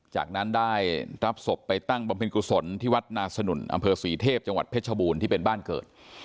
จากนั้นได้รับศพไปตั้งบำเพ็ญกุศลที่วัดนาสนุนอำเภอศรีเทพจังหวัดเพชรบูรณ์ที่เป็นบ้านเกิด